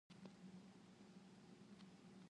Keluargaku adalah keluarga yang besar.